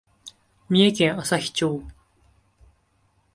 三重県朝日町